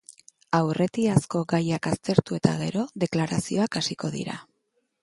Aurretiazko gaiak aztertu eta gero, deklarazioak hasiko dira.